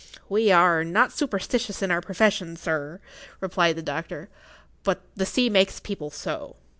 "We are not superstitious in our profession, sir," replied the doctor. "But the sea makes people so.